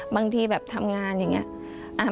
บางทีแบบทำงานอย่างนี้